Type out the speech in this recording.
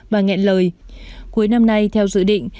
bà ngẹn lời cuối năm nay theo dự định